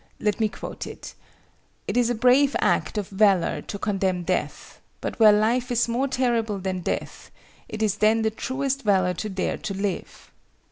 Let me quote it: "It is a brave act of valor to contemn death, but where life is more terrible than death, it is then the truest valor to dare to live."